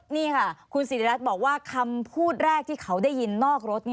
นี่ค่ะคุณสิริรัตน์บอกว่าคำพูดแรกที่เขาได้ยินนอกรถ